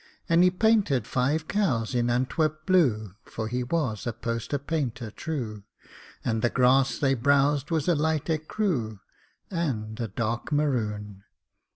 And he painted five cows in Antwerp blue (For he was a poster painter true), And the grass they browsed was a light écru And a dark maroon.